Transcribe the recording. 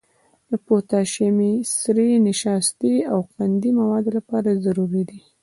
پوتاشیمي سرې د نشایستې او قندي موادو لپاره ضروري دي.